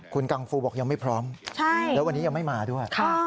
คุณกังฟูบอกยังไม่พร้อมแล้ววันนี้ยังไม่มาด้วย